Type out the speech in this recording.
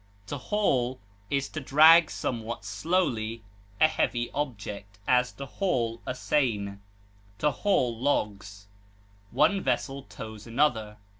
To haul is to draw somewhat slowly a heavy object; as, to haul a seine; to haul logs. One vessel tows another.